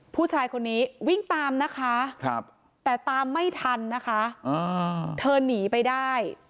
ผู้ชายคนนี้วิ่งตามนะคะแต่ตามไม่ทันนะคะเธอหนีไปได้